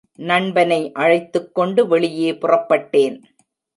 நண்பனை அழைத்துக்கொண்டு வெளியே புறப்பட்டேன்.